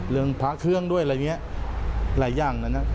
เรื่องพระเครื่องด้วยอะไรอย่างนั้นนะ